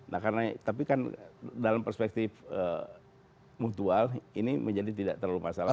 nah karena tapi kan dalam perspektif mutual ini menjadi tidak terlalu masalah